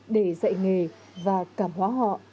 để dạy nghề và cảm hóa họ